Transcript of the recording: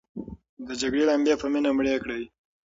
د جګړې لمبې په مینه مړې کړئ.